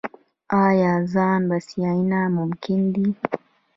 آیا ځان بسیاینه ممکن ده؟